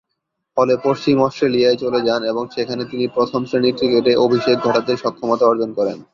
ফলে পশ্চিম অস্ট্রেলিয়ায় চলে যান এবং সেখানে তিনি প্রথম-শ্রেণীর ক্রিকেটে অভিষেক ঘটাতে সক্ষমতা অর্জন করেন।